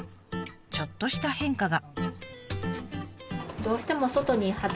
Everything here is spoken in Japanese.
ちょっとした変化が。